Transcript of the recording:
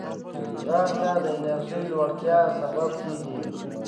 ځغاسته د انرژۍ لوړتیا سبب کېږي